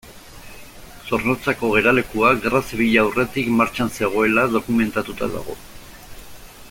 Zornotzako geralekua Gerra Zibila aurretik martxan zegoela dokumentatuta dago.